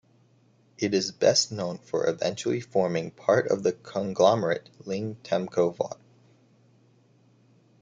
It is best known for eventually forming part of the conglomerate Ling-Temco-Vought.